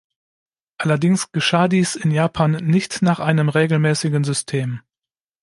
Allerdings geschah dies in Japan nicht nach einem regelmäßigen System.